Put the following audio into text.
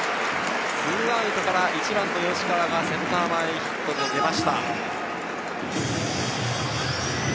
２アウトから１番・吉川がセンター前ヒットで出ました。